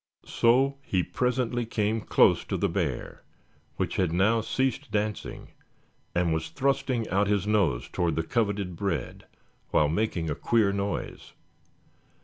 So he presently came close to the bear, which had now ceased dancing, and was thrusting out his nose toward the coveted bread, while making a queer noise.